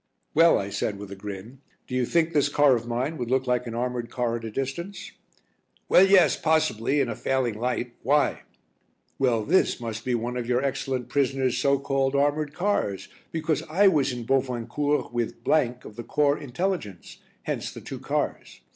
"Well," I said, with a grin, "do you think this car of mine would look like an armoured car at a distance?" "Well, yes, possibly, in a failing light. Why?" "Well, this must be one of your excellent prisoner's so called armoured cars, because I was in Bovincourt with of the Corps Intelligence, hence the two cars.